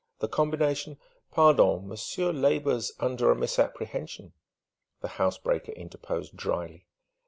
The combination " "Pardon: monsieur labours under a misapprehension," the housebreaker interposed drily.